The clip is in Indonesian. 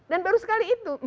dan baru sekali itu